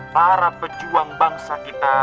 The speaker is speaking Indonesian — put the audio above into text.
para pejuang bangsa kita